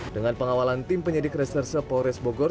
dengan pengawalan tim penyidik reserse polres bogor